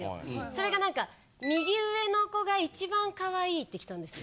それがなんか「右上の子が一番可愛い」ってきたんですよ。